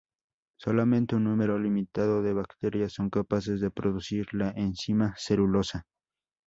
Solamente un número limitado de bacterias son capaces de producir la enzima celulosa.